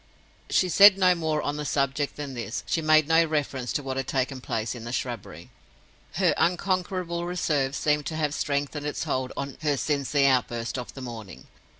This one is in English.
She said no more on the subject than this: she made no reference to what had taken place in the shrubbery. Her unconquerable reserve seemed to have strengthened its hold on her since the outburst of the morning.